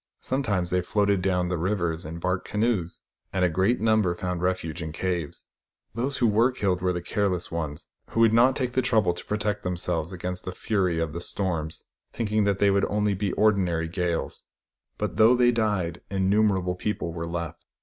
Sometimes they floated down the rivers in bark canoes ; and a great number found refuge in caves. Those who were killed were the careless ones, who would not take the trouble to protect themselves against the fury of the storms, thinking that they would only be ordinary gales ; but though they died, innumerable people were left.